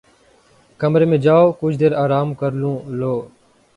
کمرے میں جاؤ کچھ دیر آرام کر لوں لو